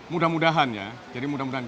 mudah mudahan ya jadi mudah mudahan